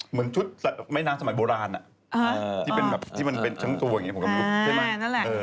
เหมือนชุดแม่น้ำสมัยโบราณที่เป็นแบบที่มันเป็นทั้งตัวอย่างนี้ผมก็ไม่รู้ใช่ไหม